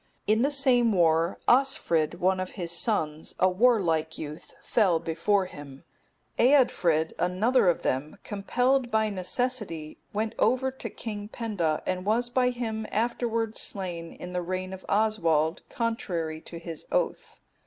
In the same war also, Osfrid,(272) one of his sons, a warlike youth, fell before him; Eadfrid,(273) another of them, compelled by necessity, went over to King Penda, and was by him afterwards slain in the reign of Oswald, contrary to his oath.